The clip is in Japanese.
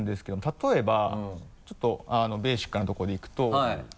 例えばちょっとベーシックなとこでいくと。